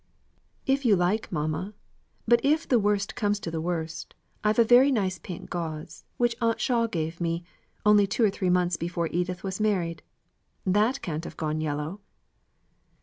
"If you like, mamma. But if the worst comes to the worst, I've a very nice pink gauze which Aunt Shaw gave me, only two or three months before Edith was married. That can't have gone yellow."